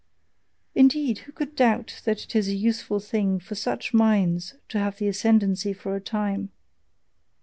Indeed, who could doubt that it is a useful thing for SUCH minds to have the ascendancy for a time?